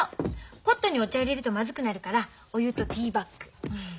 ポットにお茶入れるとまずくなるからお湯とティーバッグ。